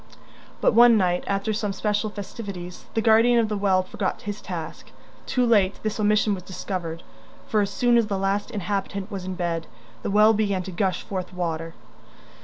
But one night, after some special festivities, the guardian of the well forgot his task. Too late this omission was discovered, for as soon as the last inhabitant was in bed, the well began to gush forth water.